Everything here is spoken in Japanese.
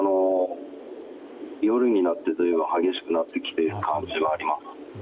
夜になってずいぶん激しくなってきている感じはあります。